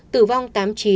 tử vong tám mươi chín